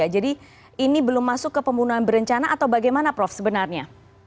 jadi ini belum masuk ke pembunuhan berencana atau bagaimana prof sebenarnya